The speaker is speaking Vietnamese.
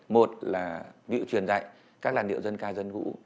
một là vị truyền dạy các làn điệu dân ca dân vũ